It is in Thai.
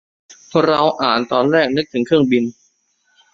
เราอ่านตอนแรกนึกถึงเครื่องบิน